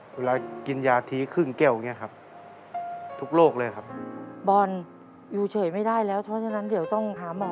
เวลากินยาทีครึ่งแก้วอย่างนี้ครับ